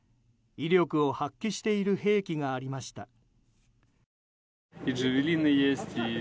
威力を発揮している兵器がありました。